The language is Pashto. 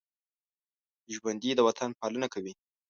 ژوندي د وطن پالنه کوي